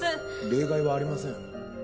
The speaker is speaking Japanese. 例外はありません。